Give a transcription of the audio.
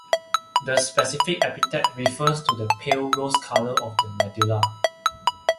The specific epithet refers to the pale rose colour of the medulla.